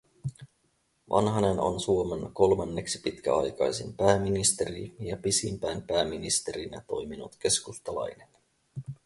Vanhanen on Suomen kolmanneksi pitkäaikaisin pääministeri ja pisimpään pääministerinä toiminut keskustalainen